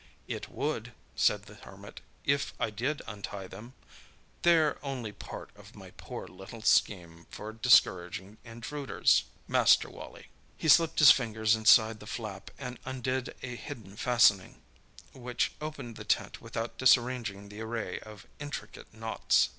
"It would," said the Hermit, "if I did untie them. They're only part of my poor little scheme for discouraging intruders, Master Wally." He slipped his fingers inside the flap and undid a hidden fastening, which opened the tent without disarranging the array of intricate knots.